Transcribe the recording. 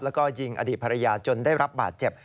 แล้วก็ยิงอดีตภรรยาจนได้รับบาดเจ็บ